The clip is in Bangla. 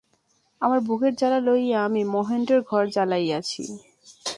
আমার বুকের জ্বালা লইয়া আমি মহেন্দ্রের ঘর জ্বালাইয়াছি।